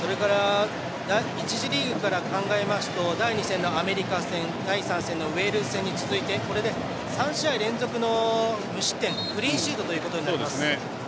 １次リーグから考えますと第２戦のアメリカ戦第３戦のウェールズ戦に続いてこれで、３試合連続の無失点フリーシードということになります。